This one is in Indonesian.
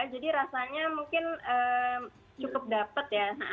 jadi rasanya mungkin cukup dapet ya